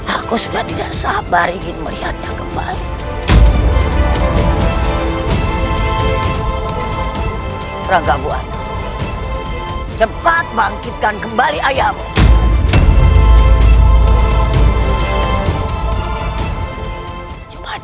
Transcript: aku sudah tidak sabar